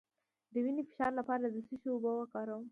د وینې د فشار لپاره د څه شي اوبه وڅښم؟